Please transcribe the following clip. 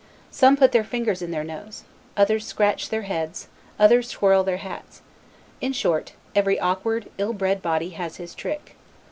Some put their fingers in their nose, others scratch their heads, others twirl their hats; in short, every awkward, ill bred body has his trick.